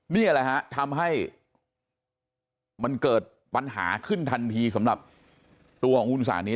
นี่แหละฮะทำให้มันเกิดปัญหาขึ้นทันทีสำหรับตัวของคุณสานี